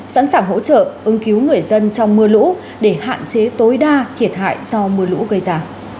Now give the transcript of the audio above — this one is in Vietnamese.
sẵn sàng hỗ trợ ứng cứu người dân trong mưa lũ để hạn chế tối đa thiệt hại do mưa lũ gây ra